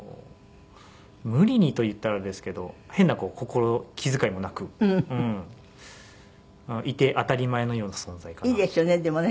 無理にといったらあれですけど変な気遣いもなくいて当たり前のような存在かなと。